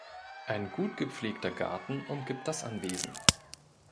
Ein gut gepflegter Garten umgibt das Anwesen.